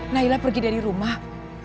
nailah pergi dari rumah